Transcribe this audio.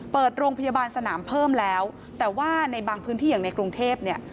เปิดโรงพยาบาลสนามเพิ่มแล้วแต่ว่าในบางพื้นที่อย่างในกรุงเทพเนี่ย